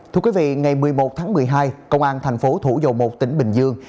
thưa quý vị ngày một mươi một tháng một mươi hai công an thành phố thủ dầu một tỉnh bình dương